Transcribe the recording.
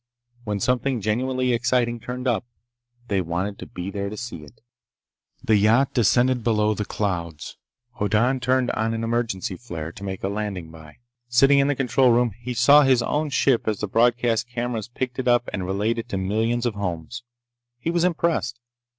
When something genuinely exciting turned up, they wanted to be there to see it. The yacht descended below the clouds. Hoddan turned on an emergency flare to make a landing by. Sitting in the control room he saw his own ship as the broadcast cameras picked it up and relayed it to millions of homes. He was impressed.